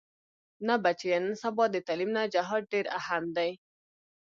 نه بچيه نن سبا د تعليم نه جهاد ډېر اهم دې.